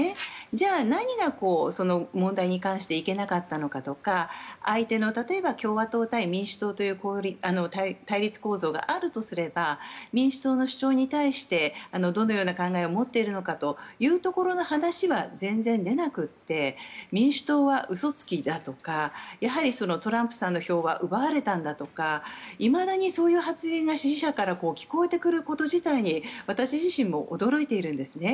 じゃあ、何が問題に関していけなかったのかとか例えば、相手の共和党対民主党という対立構造があるとすれば民主党の主張に対してどのよう考えを持っているのかというところの話は全然、出なくって民主党は嘘つきだとかトランプさんの票は奪われたんだとかいまだにそういう発言が支持者から聞こえてくること自体に私自身も驚いているんですね。